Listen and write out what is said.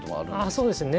ああそうですね。